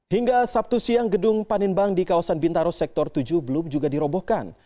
hingga sabtu siang gedung panin bank di kawasan bintaro sektor tujuh belum juga dirobohkan